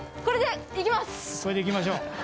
これでいきましょう。